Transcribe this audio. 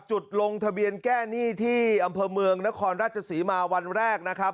ลงทะเบียนแก้หนี้ที่อำเภอเมืองนครราชศรีมาวันแรกนะครับ